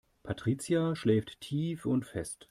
Patricia schläft tief und fest.